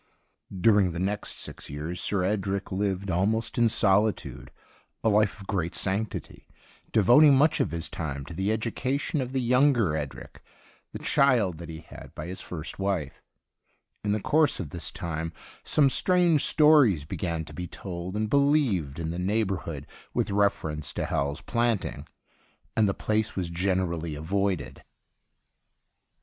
During the next six years Sir Edric lived, almost in solitude, a life of great sanctity, devoting much of his time to the education of the younger Edric, the child that he had by his first wife. In the course of this time some strange stories began to be told and believed in the neighbourhood with reference 122 THE UNDYING THING to Hal's Planting, and the place was generally avoided.